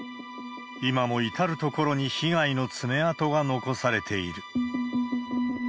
今も至る所に被害の爪痕が残されている。